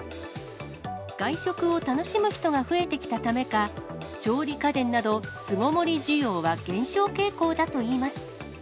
外食を楽しむ人が増えてきたためか、調理家電など、巣ごもり需要は減少傾向だといいます。